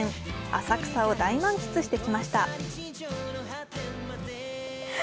浅草を大満喫してきました。